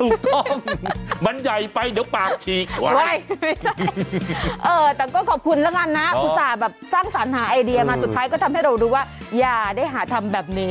ถูกต้องมันใหญ่ไปเดี๋ยวปากฉีกไว้แต่ก็ขอบคุณแล้วกันนะอุตส่าห์แบบสร้างสรรค์หาไอเดียมาสุดท้ายก็ทำให้เรารู้ว่าอย่าได้หาทำแบบนี้